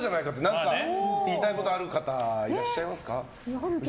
何か言いたいことがある方いらっしゃいますか？